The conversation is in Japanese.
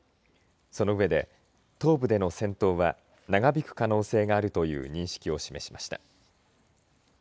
その上で東部での戦闘は長引く可能性があるという認識を示しました。